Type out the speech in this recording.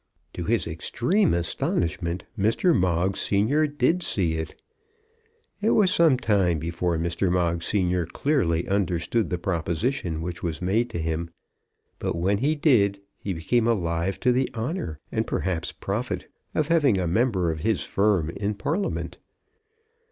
To his extreme astonishment Mr. Moggs senior did see it. It was some time before Mr. Moggs senior clearly understood the proposition which was made to him, but when he did he became alive to the honour, and perhaps profit, of having a member of his firm in Parliament.